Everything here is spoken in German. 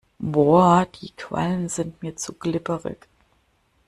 Boah, die Quallen sind mir zu glibberig.